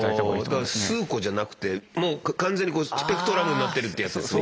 だから数個じゃなくてもう完全にこうスペクトラムになってるってやつですね。